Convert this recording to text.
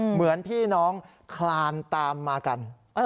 เหมือนพี่น้องคลานตามมากัน